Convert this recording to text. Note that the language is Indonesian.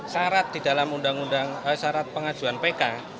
sarat di dalam undang undang sarat pengajuan pk